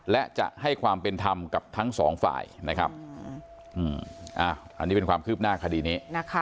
และจะให้ความเป็นธรรมกับทั้งสองฝ่ายนะครับอันนี้เป็นความคืบหน้าคดีนี้นะคะ